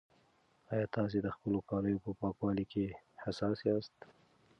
ایا تاسي د خپلو کالیو په پاکوالي کې حساس یاست؟